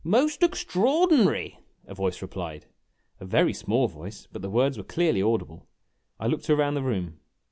"Most extraordinary," a voice replied; a very small voice, but the words were clearly audible. I looked around the room.